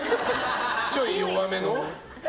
ちょい弱めの？